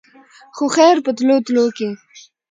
خو خېر په تلو تلو کښې